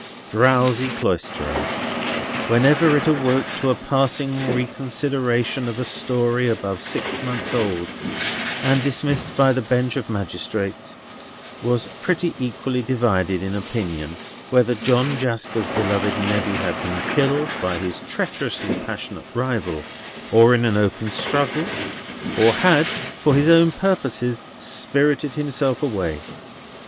Drowsy Cloisterham, whenever it awoke to a passing reconsideration of a story above six months old and dismissed by the bench of magistrates, was pretty equally divided in opinion whether John Jasper's beloved nephew had been killed by his treacherously passionate rival, or in an open struggle; or had, for his own purposes, spirited himself away.